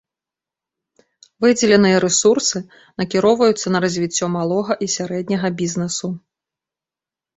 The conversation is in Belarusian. Выдзеленыя рэсурсы накіроўваюцца на развіццё малога і сярэдняга бізнэсу.